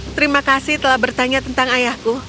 terima kasih telah bertanya tentang ayahku